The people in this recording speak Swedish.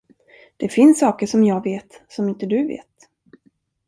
Det finns saker som jag vet som inte du vet.